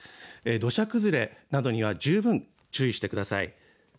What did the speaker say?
土砂崩れなどには十分、注意してください。